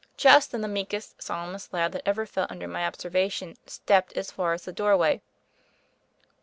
Just then the meekest, solemnest lad that ever fell under my observation stepped as far as the doorway.